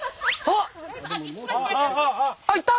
あっいった？